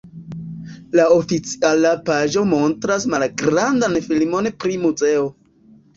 La oficiala paĝo montras malgrandan filmon pri muzeo.